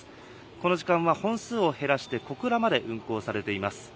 この時間は本数を減らして小倉まで運行されています。